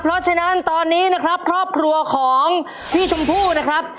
เพราะฉะนั้นตอนนี้นะครับครอบครัวของพี่ชมพู่นะครับ